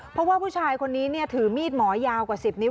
เพราะว่าผู้ชายคนนี้ถือมีดหมอยาวกว่า๑๐นิ้